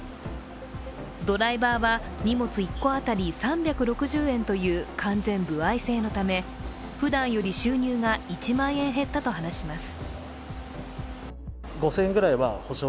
ドライバーは荷物１個当たり３６０円という完全歩合制のためふだんより収入が１万円減ったと話します。